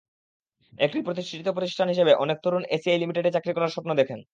একটি প্রতিষ্ঠিত প্রতিষ্ঠান হিসেবে অনেক তরুণ এসিআই লিমিটেডে চাকরি করার স্বপ্ন দেখেন।